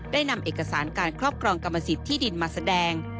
ได้นำเอกสารการครอบครองกรรมสิทธิ์ที่ดินมาแสดง